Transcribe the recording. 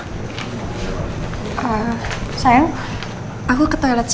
wassalamualaikum belongs to life